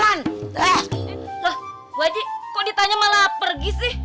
loh bu haji kok ditanya malah pergi sih